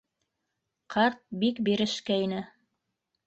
Ҡарт бик бирешкәйне.